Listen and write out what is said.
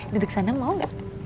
duduk sana mau gak